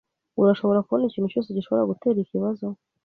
Urashobora kubona ikintu cyose gishobora gutera ikibazo?